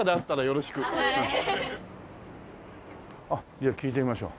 じゃあ聞いてみましょう。